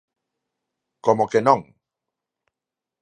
¡Como que non!